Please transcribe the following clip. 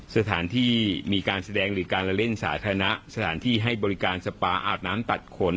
สถานที่มีการแสดงหรือการละเล่นสาธารณะสถานที่ให้บริการสปาอาบน้ำตัดขน